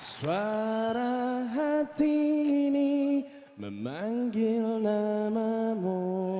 suara hati ini memanggil namamu